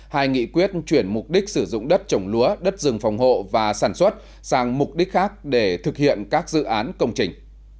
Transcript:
hai nghị quyết chuyển mục đích sử dụng đất trồng lúa đất rừng phòng hộ và sản xuất sang mục đích khác để thực hiện các dự án công trình